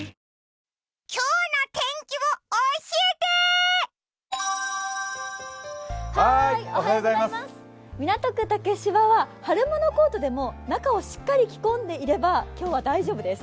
今日の天気を教えて港区竹芝は春物コートでも中をしっかり着込んでいれば今日は大丈夫です。